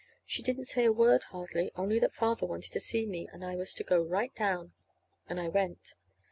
She didn't say a word, hardly, only that Father wanted to see me, and I was to go right down. And I went.